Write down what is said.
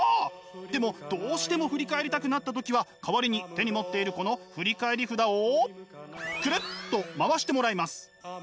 でもどうしても振り返りたくなった時は代わりに手に持っているこの振り返り札をくるっと回してもらいます。